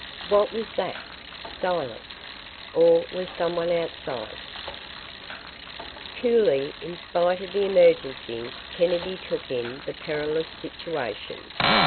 What was that? Silence? Or was someone outside? ........ Coolly, in spite of the emergency, Kennedy took in the perilous situation.